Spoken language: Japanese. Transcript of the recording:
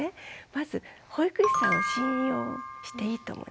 まず保育士さんを信用していいと思うんです。